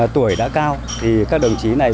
tuổi đã cao thì các đồng chí này